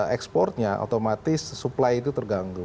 ekspornya otomatis supply itu terganggu